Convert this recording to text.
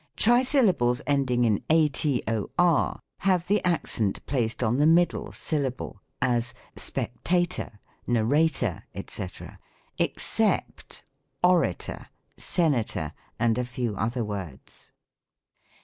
Trisyllables ending in ator have the accent placed on the middle syllable; as, " Spectatoi", narrator," &c. except orator, senator, and a few other words.